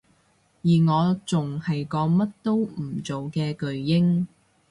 而我仲係個乜都唔做嘅巨嬰